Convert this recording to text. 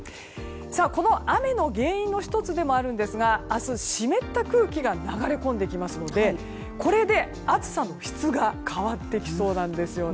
この雨の原因の１つでもあるんですが明日、湿った空気が流れ込んできますのでこれで暑さの質が変わってきそうなんですね。